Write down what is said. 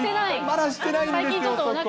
してないんですよ。